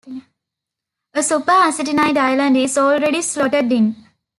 A superactinide island is already slotted in.